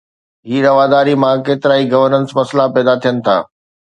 هن رواداري مان ڪيترائي گورننس مسئلا پيدا ٿين ٿا.